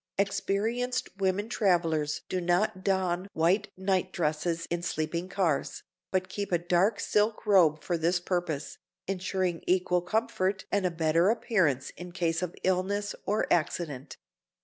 Experienced women travelers do not don white night dresses in sleeping cars, but keep a dark silk robe for this purpose, insuring equal comfort and a better appearance in case of illness or accident.